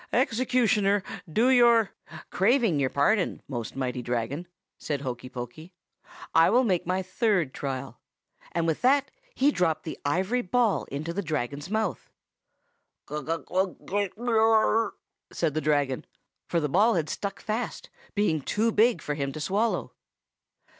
Executioner, do your—' "People," he said, "I am Hokey Pokey." "'Craving your pardon, most mighty Dragon,' said Hokey Pokey, 'I will first make my third trial;' and with that he dropped the ivory ball into the Dragon's mouth. "'Gug wugg gllll grrr!' said the Dragon, for the ball had stuck fast, being too big for him to swallow.